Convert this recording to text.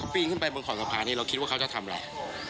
พี่ยิงขึ้นไปเบื้องขอนกระพานนี่เราคิดว่าเขาจะทำอะไร